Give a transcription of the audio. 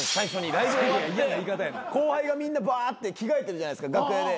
ライブ終わって後輩がみんなバーって着替えてるじゃないですか楽屋で。